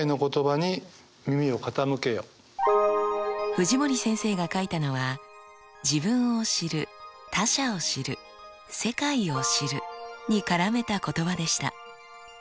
藤森先生が書いたのは自分を知る他者を知る世界を知るに絡めた言葉でした。